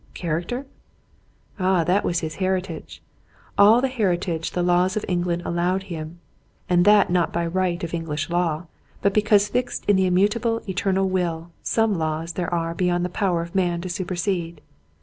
Character ? Ah, that was his heritage, all the heritage the laws of England allowed him, and that not by right of English law, but because, fixed in the immutable, eternal Will, some laws there are beyond the power of man to supersede.